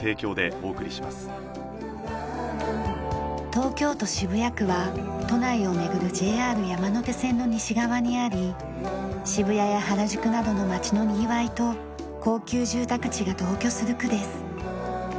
東京都渋谷区は都内を巡るＪＲ山手線の西側にあり渋谷や原宿などの街のにぎわいと高級住宅地が同居する区です。